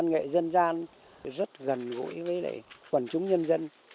nghệ dân gian rất gần gũi với quần chúng nhân dân